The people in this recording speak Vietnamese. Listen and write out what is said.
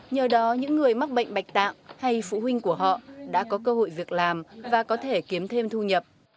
nhờ đó những người mắc bệnh bạch tạng hay phụ huynh của họ đã có cơ hội việc làm và có thể kiếm thêm thu nhập